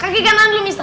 kaki kanan dulu mister